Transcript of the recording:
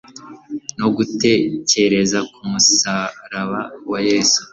no gutekerezumusaraba wa Yesu